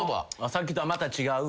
さっきとはまた違う。